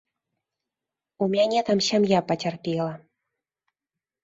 У мяне там сям'я пацярпела.